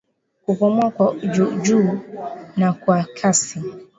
Kupumua kwa juujuu na kwa kasi